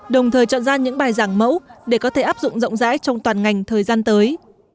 đồng thời chọn ra những bài giảng mẫu để có thể áp dụng rộng rãi trong toàn ngành thời gian tới